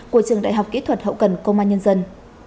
của trường đại học kỹ thuật hậu cần công an nhân dân